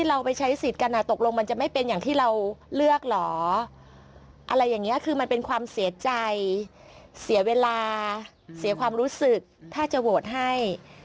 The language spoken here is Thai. อะไรอย่างนี้คือมันเป็นความเสียใจ